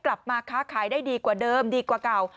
กลับมาค้าขายได้ดีกว่าเดิมดีกว่าเก่า